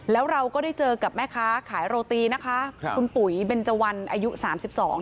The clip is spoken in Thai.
แล้วเราก็ได้เจอกับแม่ค้าขายโรตีนะคะครับคุณปุ๋ยเบนเจวันอายุสามสิบสอง